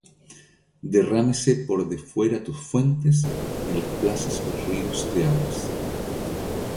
Derrámense por de fuera tus fuentes, En las plazas los ríos de aguas.